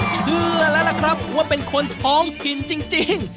เชื่อแล้วล่ะครับว่าเป็นคนท้องถิ่นจริง